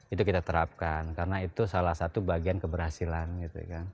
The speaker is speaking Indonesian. itu kita terapkan karena itu salah satu bagian keberhasilan gitu kan